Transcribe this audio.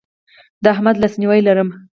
د احمد لاسنیوی لرم.